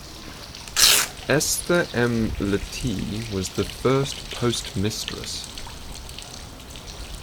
Esther M Leete was the first postmistress.